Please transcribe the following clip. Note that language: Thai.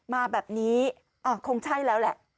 มาแบบนี้คงใช่แล้วแหละ